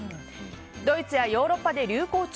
ドイツやヨーロッパで流行中！